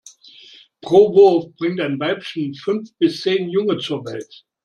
Pro Wurf bringt ein Weibchen fünf bis zehn Junge zur Welt.